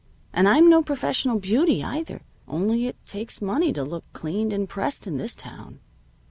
And I'm no professional beauty, either. Only it takes money to look cleaned and pressed in this town."